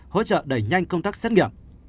hỗ trợ đẩy nhanh công tác xét nghiệm